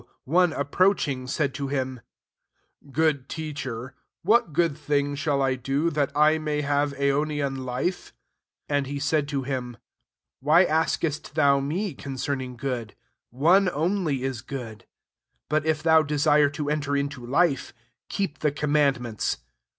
one approach ing, said to him, \Goo(f\ Teacher, what good thing shall I do, that I may have aionian life ? \7 And he said to him, Why askest thou me concern* ing good? One oniy i& good* But ^ thou desire to enter into life, keep the commandments.